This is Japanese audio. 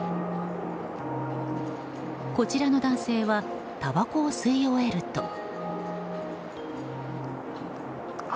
こちらの男性はたばこを吸い終えると。